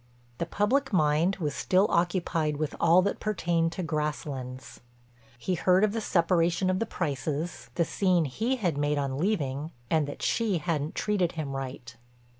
The public mind was still occupied with all that pertained to Grasslands. He heard of the separation of the Prices, the scene he had made on leaving, and that she hadn't treated him right.